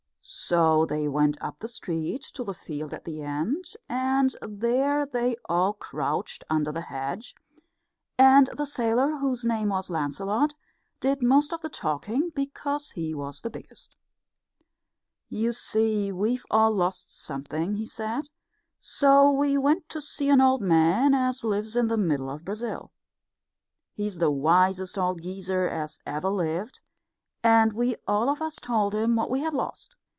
So they went up the street to the field at the end, and there they all crouched under the hedge; and the sailor, whose name was Lancelot, did most of the talking, because he was the biggest. "You see, we've all lost something," he said, "so we went to see an old man as lives in the middle of Brazil. He's the wisest old geezer as ever lived, and we all of us told him what we had lost.